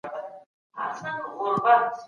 بډای خلګ له دین څخه د وسیلې کار اخلي.